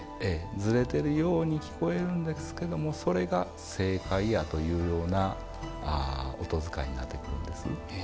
ズレてるように聞こえるんですけどもそれが正解やというような音使いになってくるんです。